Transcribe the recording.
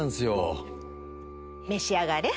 召し上がれ。